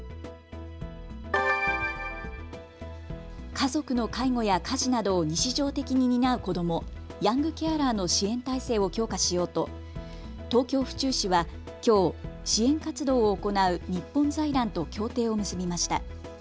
家族の介護や家事などを日常的に担う子ども、ヤングケアラーの支援体制を強化しようと東京府中市はきょう支援活動を行う日本財団と協定を結びました。